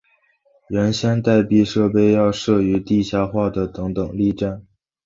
原先待避设备要设于地下化的等等力站。